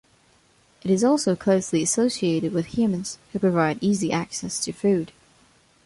It is also closely associated with humans, who provide easy access to food.